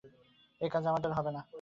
এ কাজ আমার দ্বারা হবে না।